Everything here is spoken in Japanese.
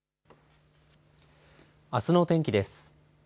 あすのお天気です。